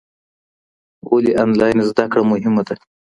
ولي آنلاین زده کړه مهمه ده؟